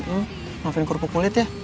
hmm maafin kerupuk kulit ya